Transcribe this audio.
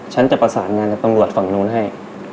ฉันจะประสานงานกับตำรวจฝั่งนู้นให้